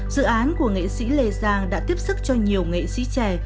dự án của nghệ sĩ lê giang đã tiếp sức cho nhiều nghệ sĩ trẻ